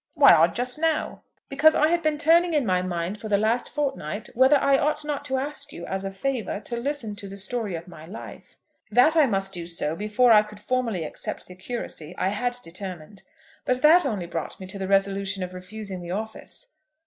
"Why odd just now?" "Because I had been turning it in my mind for the last fortnight whether I ought not to ask you as a favour to listen to the story of my life. That I must do so before I could formally accept the curacy I had determined. But that only brought me to the resolution of refusing the office.